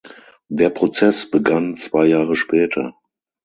Der Prozess begann zwei Jahre später.